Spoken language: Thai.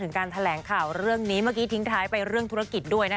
การแถลงข่าวเรื่องนี้เมื่อกี้ทิ้งท้ายไปเรื่องธุรกิจด้วยนะคะ